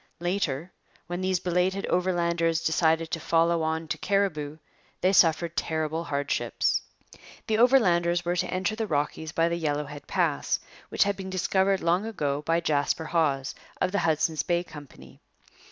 Later, when these belated Overlanders decided to follow on to Cariboo, they suffered terrible hardships. The Overlanders were to enter the Rockies by the Yellowhead Pass, which had been discovered long ago by Jasper Hawse, of the Hudson's Bay Company.